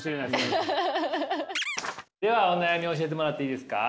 ではお悩み教えてもらっていいですか？